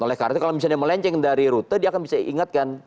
oleh karena itu kalau misalnya melenceng dari rute dia akan bisa ingatkan